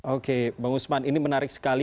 oke bang usman ini menarik sekali